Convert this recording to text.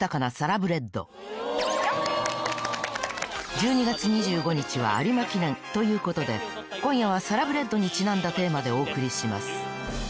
１２月２５日はということで今夜はサラブレッドにちなんだテーマでお送りします